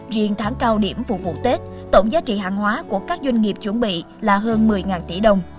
riêng tháng cao điểm phục vụ tết tổng giá trị hàng hóa của các doanh nghiệp chuẩn bị là hơn một mươi tỷ đồng